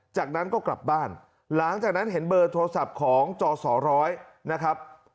จากนั้นก็กลับบ้านหลังจากนั้นเห็นเบอร์โทรศัพท์ของจอสอร้อยนะครับ